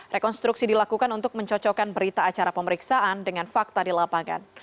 rekonstruksi dilakukan untuk mencocokkan berita acara pemeriksaan dengan fakta di lapangan